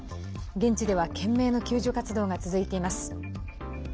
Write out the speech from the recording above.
現地では懸命の救助活動が続いています。